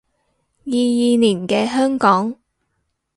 二二年嘅香港